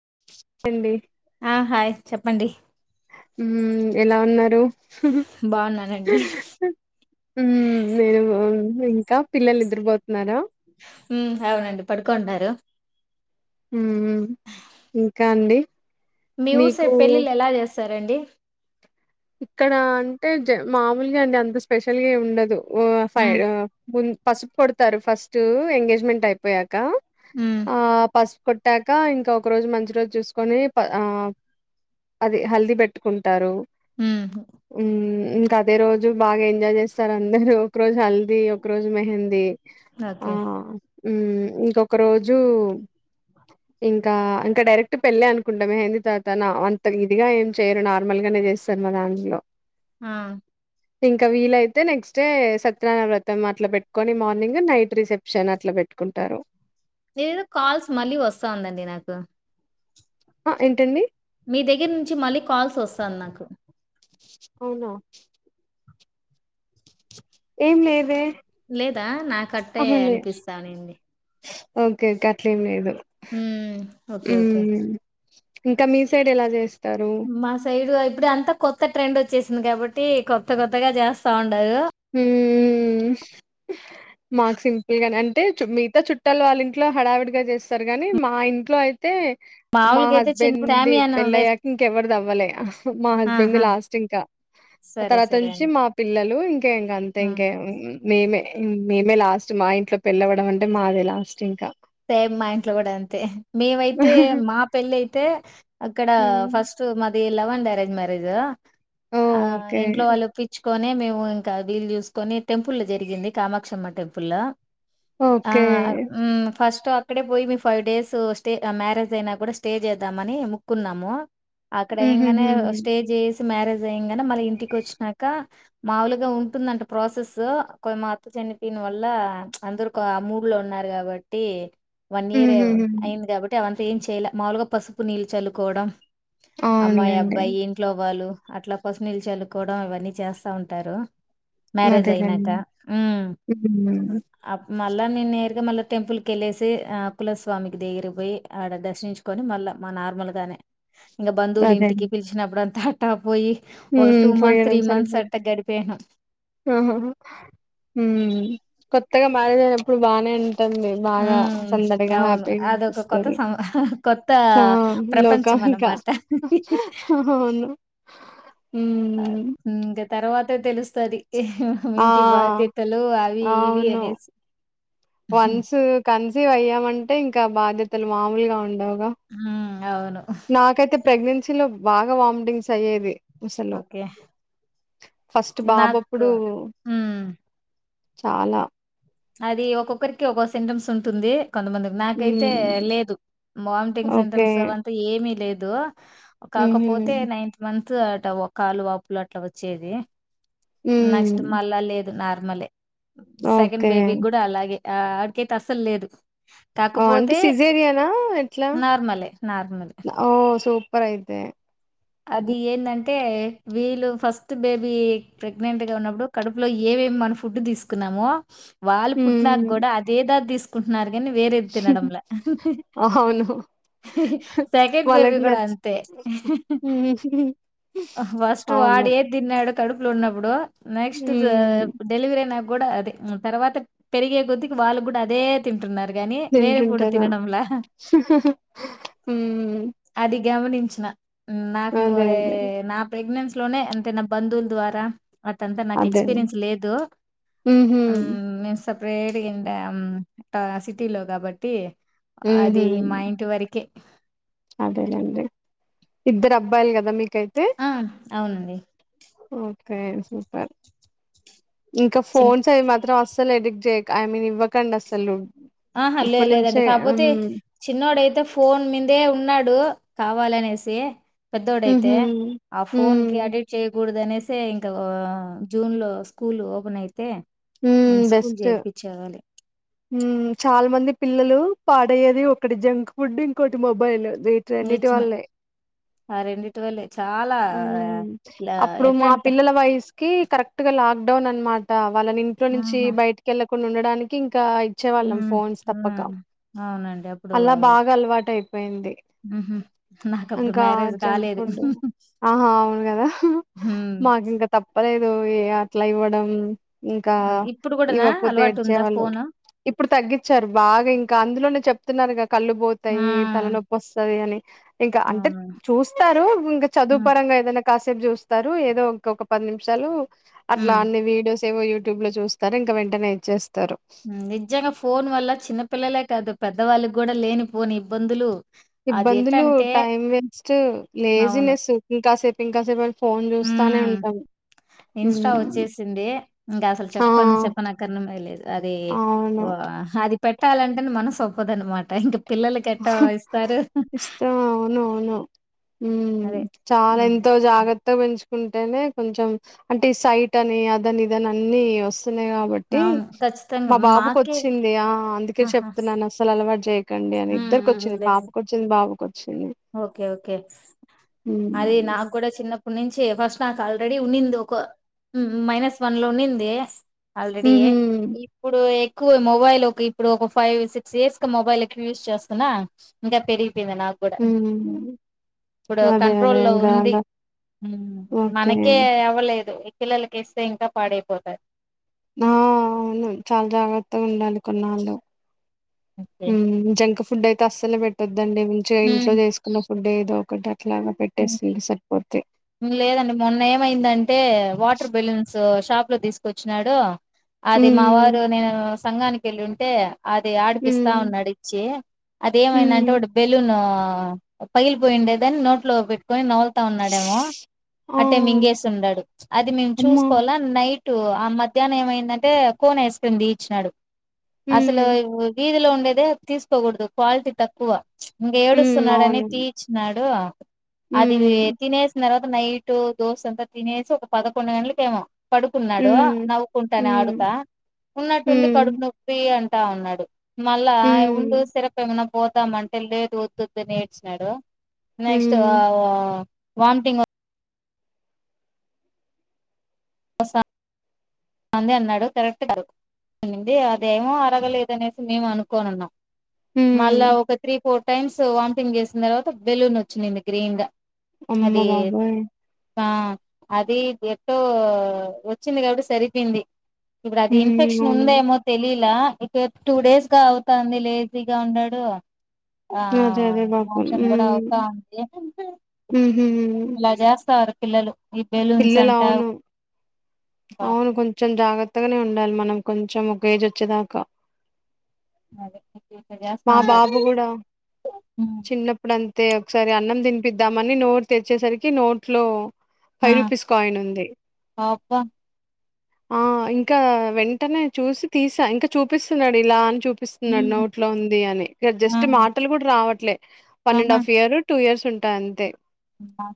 [unintelligible] ఆ హాయ్ చెప్పండి ఉ ఎలా ఉన్నారు బావున్నానండి. ఉమ్ నేను బాగున్నా ఇంకా పిల్లలు నిదుర పోతున్నారా ఉమ్ అవునండి పడుకుంటున్నారు ఉ ఇంకా అండి మీ ఊరు మీకు సైడ్ పెళ్లిళ్లు ఎలా చేస్ తరండి ఇక్కడ అంటే జ మామూలుగా అండి అంత స్పెషల్గా ఉండదు ఉమ్ ఫై హ్మ్. ము పసుపు కొడతారు ఫస్ట్ ఎంగేజ్మెంట్ అయిపోయాక హ్మ్. ఆ పసుపు కొట్టాక ఇంకా ఒక రోజు మంచి రోజు చూసుకొని ప ఆ అద్ హల్ది పెట్టుకుంటారు హ్మ్. ఉ ఇంకా అదే రోజు బాగా ఎంజాయ్ చేస్తారు అందరు ఒక రోజు హల్దీ ఒక రోజు మెహందీ ఆ ఓకే. ఉ ఇంకొక రోజు ఇంకా ఇంకా డైరెక్ట్ పెళ్ళి అనుకుంటాం మెహందీ తర్వాత నా అంత ఇదిగా ఏం చేయరు నార్మల్ గానే చేస్ తర్ మా దాంట్లో ఆ ఇంకా వీలైతే నెక్స్ట్ డే సత్యనారాయణ వ్రతం అట్లా పెట్టుకొని మార్నింగ్ నైట్ రిసెప్షన్ అట్ల పెట్టుకుంటారు ఇది ఏదో కాల్స్ మళ్ళీ వస్తాందండి నాకు ఆ ఏంటండి మీ దగ్గర నుంచి మళ్ళీ కాల్స్ వస్తంది నాకు అవునా ఏం లేదే లేదా నాకట్టే అనిపిస్తానింది ఓకేే గట్లేం లేదు ఓకే. ఉ ఓకే. ఇంకా మీ సైడ్ ఎలా చేస్ మా సైడు అయి ఇప్పుడు అంతా కొత్త ట్రెండ్ వచ్చేసింది కాబట్టి కొత్త కొత్తగా చేస్తూ, తాండగా ఊ మాకు సింపుల్ గాని అంటే మిగతా చుట్టాలు వాళ్ళ ఇంట్లో హడావిడిగా చేస్తారు గాని మా ఇంట్లో అయి తే మా మామూలుగైతే చిన్న హస్బెండ్ ది షామియానా వేస్ పెళ్ళయ్యాక ఇంకెవరిది అవ్వలే మా హస్బెండ్ దే ఆహా! లాస్ట్ ఇంకా ఆ సరే. తర్వాత సరే నుంచి అండి. మా పిల్లలు ఇంకా ఇంకా అంతే హ్మ్. ఇంకే మేమే మేమే లాస్ట్ మా ఇంట్లో పెళ్లవ్వడం అంటే మాదే లాస్ట్ ఇంకా సేమ్ మా ఇంట్లో కూడా అంతే మేవైతే మా పెళ్ళి అయితే అక్కడ హ్మ్. ఫస్ట్ మ అది లవ్ అండ్ ఆరెంజ్ మ్యారేజ్ ఆ ఓకే. ఇంట్లో వాళ్లు ఓ పిచ్చి, కొని మేము ఇంకా వీలు చూసుకొని టెంపుల్ జరిగింది కామాక్షమ్మ టెంపుల్ లో ఆ ఓకే. హు ఫస్ట్ అక్కడే పోయి మీ ఫైవ్ డేస్ స్టే మ్యారేజ్ అయినా కూడా స్టే చేద్దామని మోక్కున్నాము అక్కడ ఇంగానే హుహుహు. స్టే చేసి, మ్యారేజ్ అయ్యంగానే మల్ల ఇంటికి వచ్చినాక మాముూలుగా ఉంటుందంట ప్రాసెస్ కొ మా అత్త చనిపోయిన వల్ల అందరు ఆ మూడు లో ఉన్నారు కాబట్టి ప వన్ ఇయర్ హే హుహుహు. అయింది కాబట్టి అవన్నీ ఏం చేయలే మాములుగా పసుపు నీళ్లు చల్లుకోవడం అమ్మాయి అవునులెండి. అబ్బాయి ఇంట్లో వాళ్ళు, అట్లా పసుపు నీళ్ళు చల్లుకోవడం అవన్నీ చేస్తా ఉంటారు మ్యారేజ్ అయినాక అదేలెండి. హు హ్మ్. అప్పు మళ్ళా నేను నేరుగా మళ్ళా టెంపుల్ కి కెళ్ళేసి అకులస్వామికి దగ్గిరి పోయి ఆడ దర్శించుకొని మళ్ళా మా నార్మల్ గానే, ఇంకా బంధువులు అదే. ఇంటికి పిలిచినప్పుడు అంతా, అట్ట పోయి ఒక హ్మ్. టూ మంత్స్ త్రీ మంత్స్ అట్ట గడిపాను ఆహ హ ఊ కొత్తగా మ్యారేజ్ అయినప్పుడు బాగానే ఉంటంది బాగా హ్మ్. సందడిగా అవును. హ్యాపీగా అదొక కొత్త అనిపిస్తంది సం కొత్త ఆ లోకం ప్రపంచం ఇంకా అన్నమాట. అవును, హ్మ్ ఇంకా తర్వాత తే తెలుస్తది ఆ ఇంటి బాధ్యతలు ఆవి ఇవి అవును అనేసి న్సీవ్ అయ్యాం అంటే ఇంకా బాధ్యతలు మామూలుగా ఉండవు ఆ అవును ప్రెగ్నెన్సీ లో బాగా వామిటింగ్స్ అయ్యేది అసలు ఓకే. ఫస్ట్ నాకు బాబప్పుడు హ్మ్. చాలా అది ఒక్కొక్కరికి ఒక సింటమ్స్ ఉంటుంది కొంతమంది నాకైతే హ్మ్ లేదు వామిటింగ్ ఓకే సింటమ్స్ అవంతా ఏమీ లేదు దో కాకపోతే హ్మ్ నైన్త్ మంత్ అవుతది కాలు వాపులు అట్లా వచ్చేది నెక్స్ట్ హ్మ్ మళ్ళా లేద్ నార్మలే స ఓకే బేబీ గుడా అలాగే ఆ ఆడికైతే అస్సలేదు ఆ అంటే సిజేరియనా ఎట్లా నార్మలే నార్మలే. ఓ సూపర్ అయితే అది ఎందంటే వీళ్ళు ఫస్ట్ బేబీ ప్రెగ్నెంట్ గా ఉన్నప్పుడు కడుపులో ఏమేమి మనం ఫుడ్ తీసుకున్నామో వాళ్ళు పుట్టినాక హ్మ్ గుడా అదేదా తీసు తింటున్నారు కాని వేరేది తినడం లా అవును సెకండ్ బేబీ వాళ్ళకి గుడా నచ్చి అంతే హ్మ్. ఫస్టు అవును వాడేదిన్నాడో కడుపులో ఉన్నప్పుడు నెక్స్ట్ ఆ హ్మ్ డెలివరై గుడా అదే తర్వాత పెరిగే కొద్ది వాళ్ళు కూడా అదే తిన్ తింటుంటనా హుమ్ అది గమనించిన నాకు మొయ్ అదే నా ప్రెగ్నెన్సీ లోనే అంటే నా బంధువుల ద్వారా అదంతా నాకు అదే ఎక్స్పీరియన్స్ లేదు ఊహూ హుమ్ నేను వేడిగిండం సిటీ లో కాబట్టి అది మా ఇంటి వరకే అదేనండి ఇద్దరు అబ్బాయిలు కదా మీకు ఆ అవునండి ఒకే సూపర్ ఇంకా చిన్న ఫోన్స్ అవి మాత్రం అస్ ఎడిక్ట్క్ చేయక్ ఐ మీన్ ఇవ్వకండి అసలు ఆహా లే లేదండి కాకపోతే చిన్నోడయితే ఫోన్ మీదే ఉన్నాడు కావాలనేసి పెద్దోడయితే ఊహూ ఆ ఫోన్ హ్మ్ కి అడిట్ చేయ్యకూడదు అనే సే ఇంకా జూన్ లో స్కూల్ ఓపెన్ అయితే హ్మ్ స్కూల్ బెస్ట్ చేర్పించేవాళ్ళు. మ్మ్ చాల మంది పిల్లలు పాడయ్యేది ఒకటి జంక్ ఫుడ్ ఇంకోటి మొబైల్ వీటన్నిటి నిజమే. వల్లే ఆ రెండిట్ వల్లే చాలా ఉమ్ ఇలా అప్పుడు ఎట్లా మా అంటే పిల్లల వయస్సుకిి కరెక్ట్ గా లాగ్ డౌన్ అన్మాట వాళ్ళని ఇంట్లో నుంచి ఆహా! బయటికెళ్ళక్ కున్న ఉండడానికి ఇం కా ఇచ్చేవాళ్ళం హ్మ్. ఫోన్స్ తప్పక హ్మ్. అవునండి. అప్పుడు అలా బాగా అలవాటు అయిపోయింది హుహు. నాకప్పుడు ఇంకా మ్యారేజ్ జంక్ కాలేదు. ఫుడ్. ఆహా అవును కదా హ్మ్. మాకు ఇంకా తప్పలే నువ్వే అట్లా ఇవ్వడం ఇంకా ఆ! ఇప్పుడు కూడానా ఇవ్వకపోతే అలవాటుందా ఏడ్చేవాళ్ళు ఫోను? ఇప్పుడు తగ్గించారు బాగా ఇంకా అందులోనే చెప్, తిన్నారుగా కళ్ళు ఆ! బోతాయి తలనొప్పి వస్సది అని ఇంకా అంటే అవును. చూస్తారు ఇంకా హ్మ్. చదువుపరంగా ఎదైన కాసేపు చూస్తారు ఏదో ఇంకొక పది నిమిషాలు అట్లా హ్మ్. అన్ని వీడియోస్ యేవో యూట్యూబ్ లో చూస్తారు ఇంకా వెంటనే ఇచ్చేస్తారు నిజంగా ఫోన్ వల్ల చిన్నపిల్లలే కాదు పెద్దవాళ్ళకి కూడా లేనిపోని ఇబ్బందులు ఇబ్బందులు అదెటంటే టైం వేస్ట్ లేజినెస్ ఇంకాసేపు ఇంకా [unintelligible] ఉ ఇన్స్టా హ్మ్. వచ్చేసింది ఇంకా అసలు ఆ చెప్పుకుని చెప్పనక్కర్ మ లేదు అది అవును అది పెట్టాలంటే మనసు ఒప్పదు అన్నమాట ఇంకా ఇష్టం అవును అవును హు అదే. చాలా హ్మ్. ఎంతో జాగ్రత్తగా పెంచుకు కుంటేనే కొంచెం అంటే సైట్ అని అదని ఇదని అన్ని వస్త కాబట్టి అవును. ఖచ్చితంగా. మా బాబుకు మాకే వచ్చింది ఆ అందుక ఆహా! చెప్తున్నాను అసలు జే [unintelligible] కండి అనే హ్మ్. హ్మ్. వచ్చంది లేదు. పాప వచ్చింది అవుక ఓకే ఓకే అది నాకు కూడా చిన్న ఇప్పుడు నుంచి ఫస్ట్ నాకు ఆల్రెడీ ఉన్నింది ఒక మైనస్ వన్ లో ఉన్నింది. ఆల్రెడీ ఉహు ఇప్పుడు ఎక్కువ మొబైల్ ఒక ఇప్పుడు ఒక ఫైవ్ సిక్స్ ఇయర్స్ క మొబైల్ ఎక్కువ యూజ్ చేస్తున్నా ఇంకా పెరిగిపోయిందినా ఉమ్ ఇప్పుడు అదే అదే కంట్రోల్ ఇంకా ఉంది అలా హు ఓకే మనకే అవ్వలేదు పిల్లలకి ఇస్తే ఇంకా పాడైపోతారు. ఆ అవును చాలా జాగ్రత్తగా ఉండాలి కొన్నాళ్లు ఓకే. హు జంక్ పుడ్ ఆయితే ఆస్సలు పెట్టొద్దు వద్దండి మంచంచిగా ఇంట్లో ఉమ్ చేసుకున్న ఫుడ్ ఏదో ఒకటి అట్లాగా పెట్టేసింది సరిపోద్ది లేదండి మొన్న ఏమైందంటే వాటర్ బెలూన్స్ సో షాప్ లో తీసుకొచ్చినాడు అదే ఉమ్ మావారు నేను సంఘానికి వెళ్ళి ఉంటే అది ఆడిపిస్తా ఉమ్ ఉన్నాడు ఇచ్చి అది ఏమైంది హ్మ్ అంటే బెలూన్ పగిలి పోయిండేదని నోట్ నోట్లో పెట్టుకుని ని నములత ఉన్నాడేమో ఆ అంటే మింగేసి ఉన్నాడు. అది మేము అమ్మా చూసుకోల నైట్ టు ఆ మధ్యాహ్నం ఏమైందంటే కోన్ ఐస్ క్రీం ఇచ్చినాడు హ్మ్ అసలు వీధిలో ఉండ దే తీసుకోకూడదు క్వాలిటీ తక్కువ ఇంగ హ్మ్ ఏడుస్తున్నాడని అవును. తీసిచ్చినాడు అదివి హ్మ్. తినేసిన నైట్ దోశ అంతా తినేసి ఒక పదకొండు గంటలకు ఏమో పడుకున్నాడు హ్మ్. నవ్వుకుంటానే హ్మ్. ఆడుత ఉన్నట్టుండి హ్మ్. కడుపు నొప్పి అంటా ఉన్నాడు మళ్ళా ఉండు హ్మ్. సిరప్ ఏమన్నా పోతామంటే లేదు వద్దొద్దని ఏడ్చినాడు నెక్స్ట్ హ్మ్. రావా వామిటింగ్ వసా అంది అన్నాడు కరెక్ట్ కాదు అనింది అదేమో అరగలేదనేసి మేము అనుకోనున్నాం మళ్ళ హ్మ్. ఒక త్రీ ఫోర్ టైమ్స్ వామిటింగ్ చేసిన తర్వాత బెలూన్ వచ్చినింది గ్రీన్ గా అమ్మ అది బాబోయ్ ఆ అది ఎట్టో వచ్చింది కాబట్టి సరి యింది ఇప్పుడు అది హ్మ్. ఇన్ఫెక్షన్ అవును. ఉందేమో తెలి లా ఇట్టే టూ డేస్ గా అవుతాంది లేజీగా ఉన్నాడు ఆ అదే. అదే పాపం. మోషన్ కూడ హ్మ్. అవుతా ఉంది హుహు. ఇలా చేస్తారు పిల్లలు ఈ బెలూన్స్ పిల్లలు అంటా అవును. అవును కొం చెం జాగ్రత్తగనే ఉండాలి మనం కొంచెం ఒక ఏజ్ వచ్చే దాకా అదే ఇట్టిట్ట చేస్తా వుంటారు ఉమ్ తే ఒకసారి అన్నం తినిపిద్దామని నోరు తెరిచే సరికి నోట్లో ఆ ఫైవ్ రూపీస్ కాయిన్ ఉంది అబ్బా ఆ ఇంకా వెంటనే చూసి తీసా ఇంకా చూపిస్తున్నాడు ఇలా అని చూ పిస్తున్నాడు ఉమ్ నోట్ లో ఉంది అని ఇక ఆ జస్ట్ మాటలు కూడ రావట్లే one and half year two years ఉంటాయి అంతే అమ్మ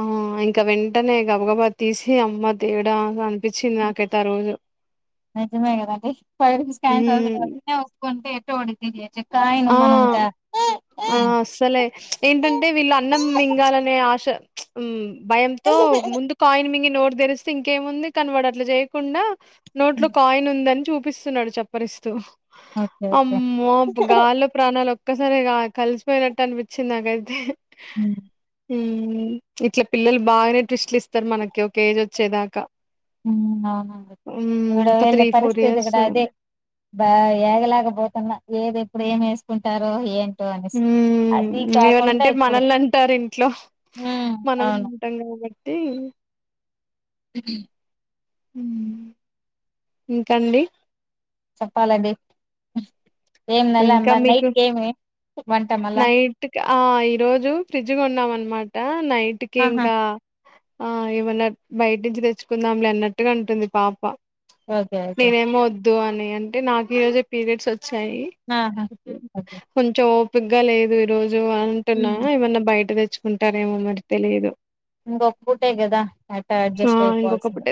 ఆ ఇంక వెంటనే గబగబా తీసి అమ్మ దేవుడా ఆహా అనిపించింది నాకైతే ఆ రోజు నిజమే కదండి ఫైవ్ రూపీస్ కాయిన్ హ్మ్. [unintelligible] ఫోన్ పే డితేే [unintelligible] చెక్క ఇంగ ఆ మనం చ ఆ అస్సలే ఏంటంటే వీళ్ళు అన్నం మింగాలనే ప్చ్ మ్మ్ భయంతో ముందు కాయిన్ మింగి నో తెరిస్తే ఇంకేముంది కనబడట్ల చేయకుండా నోట్లో కాయిన్ ఉందని చూపిస్తున్నాడు చప్పరిస్తూ ఓకే ఓకే అమ్మో గాల్లో ప్రాణాలు క్క సారే కాదు కలిసిపోయినట్టు అనిపించింది నాకైతే మ్మ్ మ్మ్ ఇట్లా పిల్లలు బాగానే ట్రిస్ట్లు ఇస్తారు మనకి ఒక ఏజ్ వచ్చేదాకా మ్మ్ అవునవును హ్మ్ ఈడ ఒక వీళ్ళ త్రీ ఫోర్ పరిస్థితి ఇయర్స్ కూడా అదే బా ఏగలాకపోతున్నా ఏది ప్పుడు ఏం వేసుకుంటారు ఏం మ్మ్ ఏమనంటే ఇప్పుడు మనల్ని అంటారు ఇంట్లో ఉమ్ మనమే అవును ఉంటాం కాబట్టి ట్టి మ్మ్ ఇంకాండి చెప్పాలండి ఏం నెల ఇంకా మ మీకు నైట్ కి ఏమి వంట మళ్ళా నైట్ కు ఆ ఈరోజు ఫ్రిడ్జ్ కొన్నాం అనమాట టా నైట్ కి ఆహా ఇంకా ఆ ఏమన్నా బయట నుంచి తెచ్చుకుందాం లే అన్నట్టుగా అంటుంది పాప ఓకే ఓకే ద్దు అని అంటే నాకు ఈ రోజే పీరియడ్స్ వచ్చాయి ఆహా హ ఓకే కొంచం గా లేదు ఈరోజు అంటున్నా ఉమ్ ఏమన్నా బయట తెచ్చ తెచ్చుకుంటారేమో మరి తెలీదు ఇంకొక్క పూటే కదా ఎట్ట అడ్జస్ట్ అయిపోవాల్సింద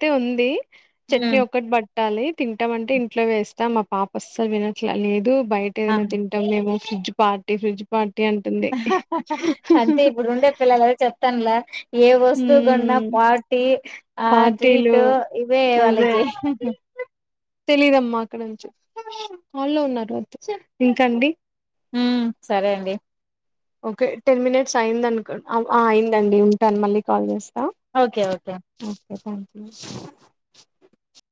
అయి ఉంది చట్నీ ఒక్కట్ బర్ కాలే తింటా అంటే ఇంట్లో వేస్తాం వాపస్లు విన లేదు బయట ఆ! ఏదైనా తింటాం మేము ఫ్రిజ పాటటీ ఫ్రిజ పటీ అంటే ఇప్పుడు ఉండే పిల్లల చెప్ తనలా ఏ వస్తువు గుడా మ్మ్ పార్టీ ఆ పార్టీలు టీట్ ఇవే అదే వాళ్ళకి తెలీదమ్మా అక్కడ నుంచి కాల్లో ఉన్నారు వదు ఇంకాండి హ్మ్. సరే అండి. ఓకే టెన్ మినిట్స్ అయిందనుకు అయిందండి ఉంటాను మళ్ళీ కాల్ చేస్తాను ఓకే ఓకే [unintelligible]